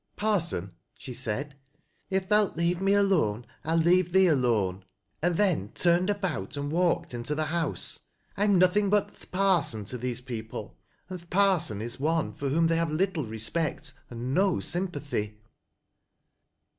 ' Parson,' she said, ' if thal't leave me alone, I'll leave thee alone,' and then turned about and walked into the house. I am nothing but ' th' parson ' to these people, and ' th' parson ' is one for whom they have little respect and no sympathy."